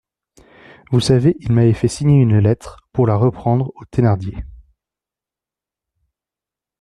Vous savez ? il m'avait fait signer une lettre pour la reprendre aux Thénardier.